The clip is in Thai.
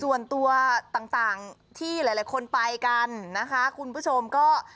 ส่วนตัวต่างที่หลายคนไปกันนะคะคุณผู้ชมก็